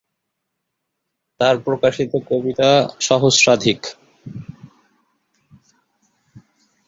তার প্রকাশিত কবিতা সহস্রাধিক।